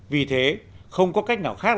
vì thế không có cách nào khác